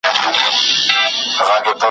نه په داد به څوك رسېږي د خوارانو `